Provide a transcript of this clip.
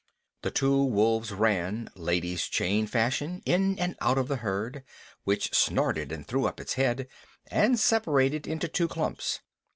The two wolves ran, ladies' chain fashion, in and out of the herd, which snorted and threw up its head, and separated into two clumps.